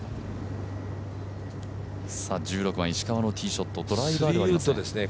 １６番、石川のティーショットドライバーですね。